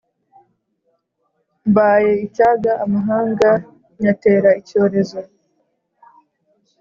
Mbaye icyaga amahanga nyatera icyorezo